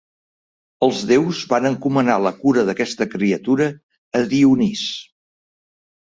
Els déus van encomanar la cura d'aquesta criatura a Dionís.